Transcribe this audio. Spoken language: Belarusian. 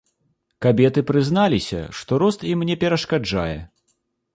Кабеты прызналіся, што рост ім не перашкаджае.